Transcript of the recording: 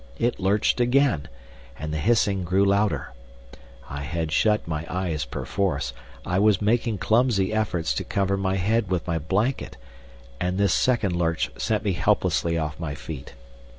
It lurched again, and the hissing grew louder. I had shut my eyes perforce, I was making clumsy efforts to cover my head with my blanket, and this second lurch sent me helplessly off my feet.